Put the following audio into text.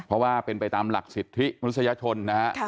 เพราะว่าเป็นไปตามหลักสิทธิมนุษยชนนะฮะ